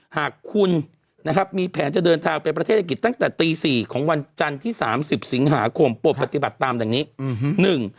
หากคุณนะครับมีแผนจะเดินทางไปประเทศอังกฤษตั้งแต่ตีสี่ของวันจันทร์ที่สามสิบสิงหาคมปวดปฏิบัติตามดังนี้อืม